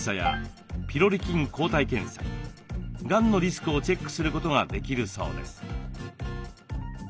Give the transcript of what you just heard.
抗体検査がんのリスクをチェックすることができるそうです。